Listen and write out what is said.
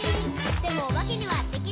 「でもおばけにはできない。」